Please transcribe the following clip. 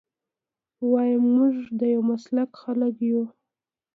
ويم موږ د يو مسلک خلک يو.